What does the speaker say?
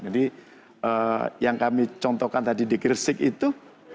jadi yang kami contohkan tadi di kirsik itu